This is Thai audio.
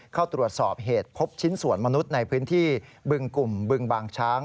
เข้าตรวจสอบเหตุพบชิ้นส่วนมนุษย์ในพื้นที่บึงกลุ่มบึงบางช้าง